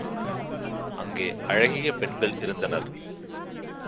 அங்கே அழகிய பெண்கள் இருந்தனர்.